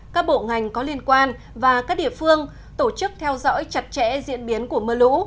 các bộ ngành có liên quan và các địa phương tổ chức theo dõi chặt chẽ diễn biến của mưa lũ